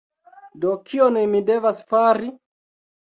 Do, kion mi devas fari?